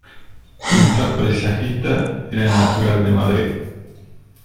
Pintor paisajista, era natural de Madrid.